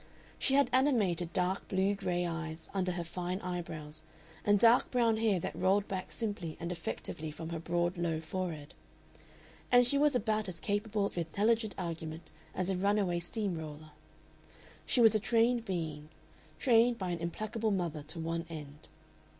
She had animated dark blue gray eyes under her fine eyebrows, and dark brown hair that rolled back simply and effectively from her broad low forehead. And she was about as capable of intelligent argument as a runaway steam roller. She was a trained being trained by an implacable mother to one end.